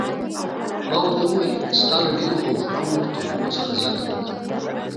ما ورته وویل: ستا له ډېرو او ښکلو تحفو څخه زیاته مننه.